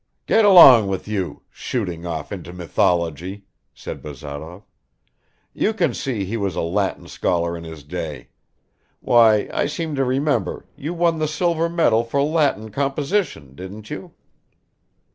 "Get along with you shooting off into mythology!" said Bazarov. "You can see he was a Latin scholar in his day. Why, I seem to remember, you won the silver medal for Latin composition, didn't you?"